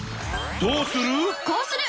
どうする？